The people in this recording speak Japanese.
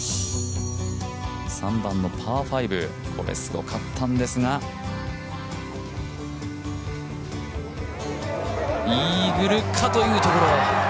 ３番のパー５、これすごかったんですが、イーグルかというところ。